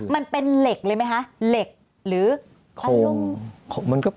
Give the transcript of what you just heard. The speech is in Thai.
มันเป็นเหล็กเลยไหมคะเหล็กหรือคอนโลง